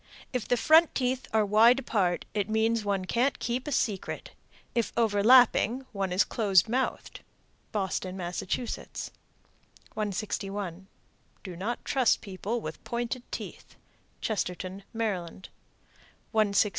If the front teeth are wide apart, it means one can't keep a secret. If overlapping, one is close mouthed. Boston, Mass. 161. Do not trust people with pointed teeth. Chestertown, Md. 162.